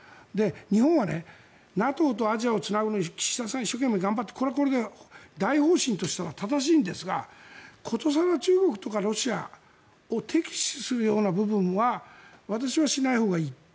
日本はＮＡＴＯとアジアをつなぐのに岸田さんが一生懸命頑張ってこれは大方針としては正しいんですが殊更、中国とかロシアを敵視するような部分は私はしないほうがいいと。